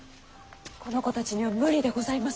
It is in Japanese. この子たちには無理でございます。